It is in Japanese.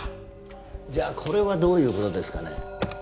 じゃこれはどういうことですかね？